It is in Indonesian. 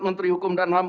menteri hukum dan ham